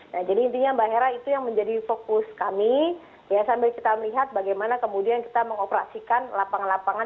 nah jadi intinya mbak hera itu yang menjadi fokus kami ya sambil kita melihat bagaimana kemudian kita mengoperasikan lapangan lapangan